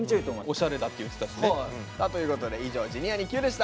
オシャレだって言ってたしね。ということで以上「Ｊｒ．にＱ」でした。